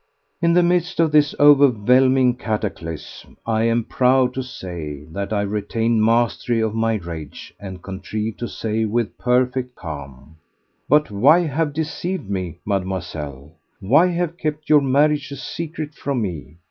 In the midst of this overwhelming cataclysm I am proud to say that I retained mastery over my rage and contrived to say with perfect calm: "But why have deceived me, Mademoiselle? Why have kept your marriage a secret from me?